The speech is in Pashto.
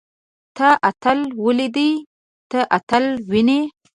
تۀ اتل وليدلې. ته اتل وينې؟